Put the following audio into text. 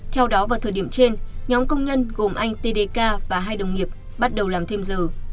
theo đó vào thời điểm trên nhóm công nhân gồm anh tdk và hai đồng nghiệp bắt đầu làm thêm giờ